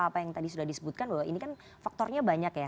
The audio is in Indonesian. apa yang tadi sudah disebutkan bahwa ini kan faktornya banyak ya